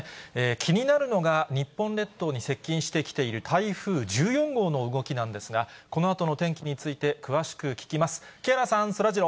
気になるのが日本列島に接近してきている台風１４号の動きなんですが、このあとの天気について、詳しく聞きます。